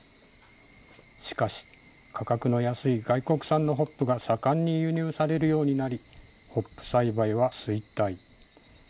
しかし、価格の安い外国産のホップが盛んに輸入されるようになり、ホップ栽培は衰退。